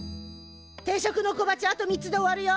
定食の小鉢あと３つで終わるよ！